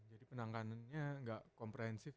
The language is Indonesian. jadi penanganannya gak komprehensif